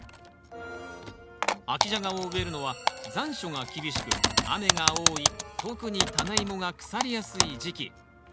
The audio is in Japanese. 秋ジャガを植えるのは残暑が厳しく雨が多い特にタネイモが腐りやすい時期。